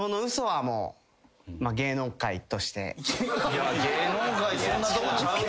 いや芸能界そんなとこちゃうで。